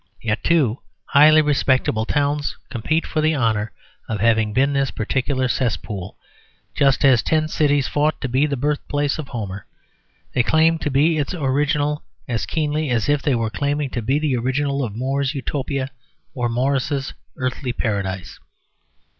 Yet, two highly respectable towns compete for the honour of having been this particular cesspool, just as ten cities fought to be the birthplace of Homer. They claim to be its original as keenly as if they were claiming to be the original of More's "Utopia" or Morris's "Earthly Paradise."